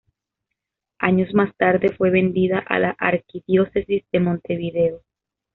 Años mas tarde fue vendida a la Arquidiócesis de Montevideo.